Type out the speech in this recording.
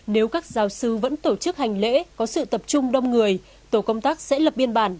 nếu các giáo sư vẫn tổ chức hành lễ có sự tập trung đông người tổ công tác sẽ lập biên bản